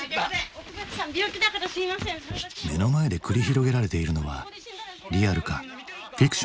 目の前で繰り広げられているのはリアルかフィクションか？